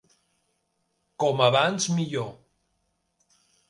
Com abans millor.